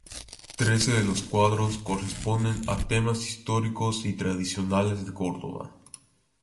Trece de los cuadros corresponden a temas históricos y tradicionales de Córdoba.